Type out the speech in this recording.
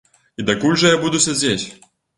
І дакуль жа я буду сядзець?